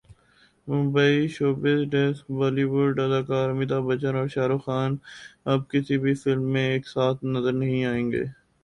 Mumbai showbiz desk Bollywood اداکار امیتابھ بچن اور شاہ رخ خان اب کسی بھی فلم میں ایک ساتھ نظر نہیں آئیں گے